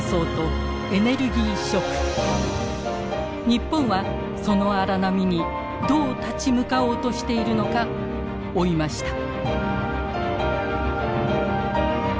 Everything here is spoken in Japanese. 日本はその荒波にどう立ち向かおうとしているのか追いました。